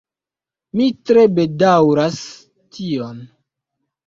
Mi tre bedaŭras tion.